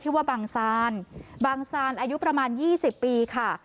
บางซานบางซานอายุประมาณ๒๐ปีค่ะ